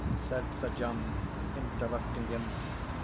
said Sir John, interrupting him.